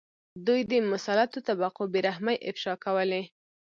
دوی د مسلطو طبقو بې رحمۍ افشا کولې.